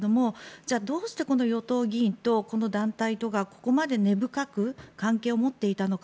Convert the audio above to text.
じゃあ、どうして与党議員とこの団体とが、ここまで根深く関係を持っていたのか。